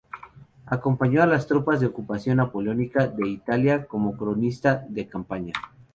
Acompañó a las tropas de ocupación napoleónica de Italia como cronista de campaña.